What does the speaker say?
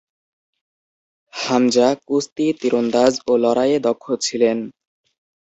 হামজা কুস্তি, তীরন্দাজ ও লড়াইয়ে দক্ষ ছিলেন।